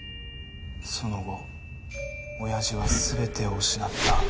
その後親父は全てを失った。